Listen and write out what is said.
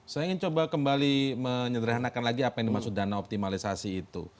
saya ingin coba kembali menyederhanakan lagi apa yang dimaksud dana optimalisasi itu